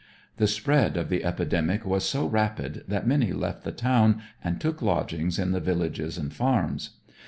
The spread of the epidemic was so rapid that many left the town and took lodgings in the villages and farms.